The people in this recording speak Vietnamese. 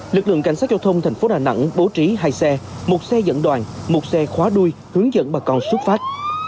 lực lượng cảnh sát giao thông thành phố đà nẵng bố trí hai xe một xe dẫn đoàn một xe khóa đuôi hướng dẫn bà con xuất phát